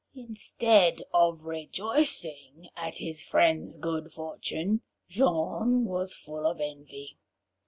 Instead of rejoicing at his friend's good fortune, Jean was full of envy.